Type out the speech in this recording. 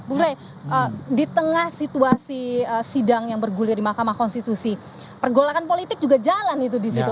bung rey di tengah situasi sidang yang bergulir di mahkamah konstitusi pergolakan politik juga jalan itu disitu